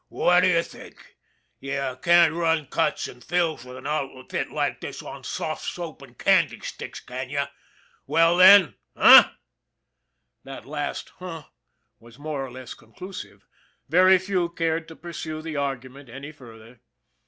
" What d'ye think ! You can't run cuts an' fills with an outfit like this on soft soap an' candy sticks, can you ? Well then h'm ?" That last " h'm " was more or less conclusive very few cared to pursue the argument any further.